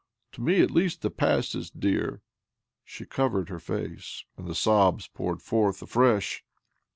To me at least the past is dear." She covered her face, and the sobs poured forth afresh.